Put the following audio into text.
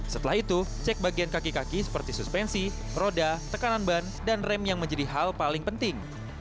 setelah itu cek bagian kaki kaki seperti suspensi roda tekanan ban dan rem yang menjadi hal paling penting